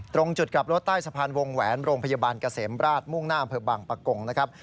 ตรงจุดกลับรถใต้สะพานวงแหวนโรงพยาบาลเกษมราชมุ่งหน้าอำเภอบังปะกงนะครับ